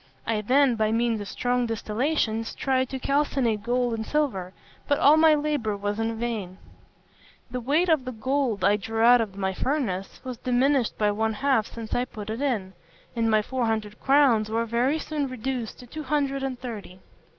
I then, by means of strong distillations, tried to calcinate gold and silver; but all my labour was in vain. The weight of the gold I drew out of my furnace was diminished by one half since I put it in, and my four hundred crowns were very soon reduced to two hundred and thirty.